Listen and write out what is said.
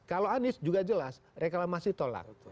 kalau anies juga jelas reklamasi tolak